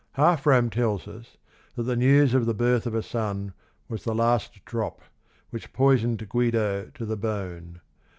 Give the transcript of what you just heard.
Half Ro me tells us that the ne ws of the birth of a son was the last d rop, whic h poisoned Guido to the bon e.